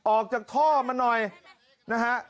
ออกจากท่อมาหน่อยนะฮะ